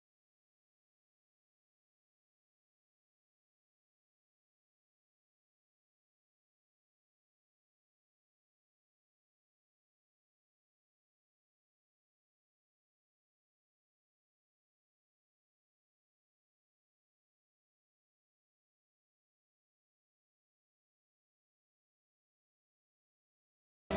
ibu di bagian depan tx